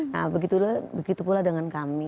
nah begitu pula dengan kami